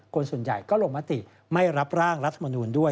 คนส่วนใหญ่ก็ลงมติไม่รับร่างรัฐมนูลด้วย